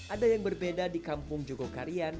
ada yang berbeda di kampung jogokarian